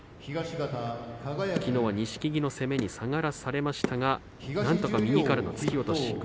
きのうは錦木の攻めに下がらされましたがなんとか右からの突き落とし。